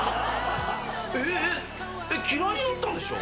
ええ嫌いになったんでしょ？